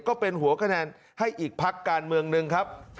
ก็เป็นหัวคะแนนให้อีกพักการเมืองหนึ่งครับ